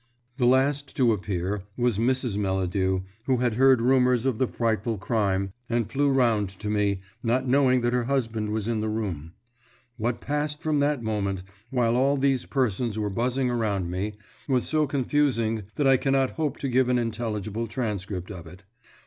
The last to appear was Mrs. Melladew, who had heard rumours of the frightful crime, and who flew round to me, not knowing that her husband was in the room. What passed from that moment, while all these persons were buzzing around me, was so confusing that I cannot hope to give an intelligible transcript of it.